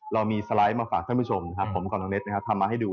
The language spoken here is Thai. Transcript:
เรามีสไลด์มาฝากเพื่อนผู้ชมผมกรรมดังเน็ตทำมาให้ดู